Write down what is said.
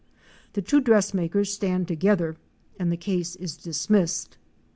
The two dress makers stand together and the case is dismissed.